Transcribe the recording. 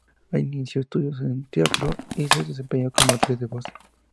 Allí inició estudios en teatro y se desempeñó como actriz de voz.